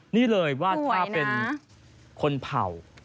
นี่เลยวาดภาพเป็นคนเผ่า